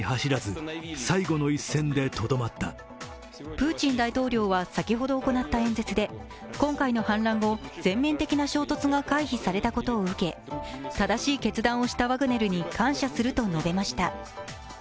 プーチン大統領は先ほど行った演説で、今回の反乱後、全面的な衝突が回避されたことを受け正しい決断をしたワグネルに感謝すると述べました。